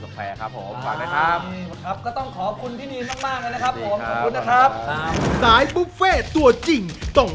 ต้องไม่พลาดไปกินสลายบุฟเฟตัวจริง